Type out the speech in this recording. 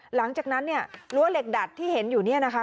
หลังจากนั้นเนี่ยรั้วเหล็กดัดที่เห็นอยู่เนี่ยนะคะ